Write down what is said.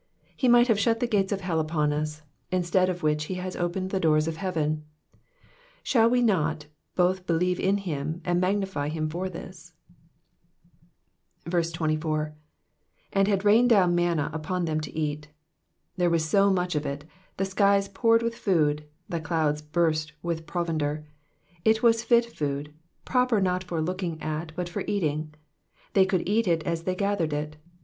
He might have shut tliQ gates of hell upon us, instead of which he has opened the doors of heaven ; shall we not both believe in him and magnify liim for this ? 24. ^''And luid rained down manna upon them to eat,'*'* There was so much of it, the skies poured with food, the clouds burst with provender. It was fit food, proper not for looking at but for eating ; they could eat it as they gathered it.